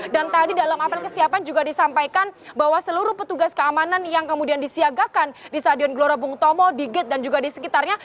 dan tadi dalam apel kesiapan juga disampaikan bahwa seluruh petugas keamanan yang kemudian disiagakan di stadion gelora bung tomo di gate dan juga di sekitarnya